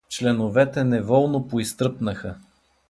Членовете неволно поизтръпнаха.